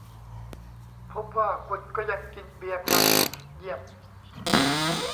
พบว่าคนก็ยังกินเบียร์กัน เยี่ยม !